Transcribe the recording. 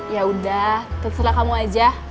yaudah terserah kamu aja